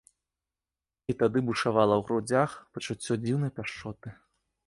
І тады бушавала ў грудзях пачуццё дзіўнай пяшчоты.